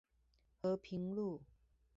和平路